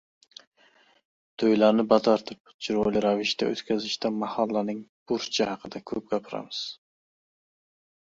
To‘ylarni batartib, chiroyli ravishda o‘tkazishda mahallaning burchi haqida ko‘p gapiramiz.